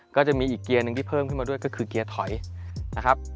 ก็จะมีอีกเกียร์หนึ่งที่เพิ่มขึ้นมาด้วยก็คือเกียร์ถอยนะครับ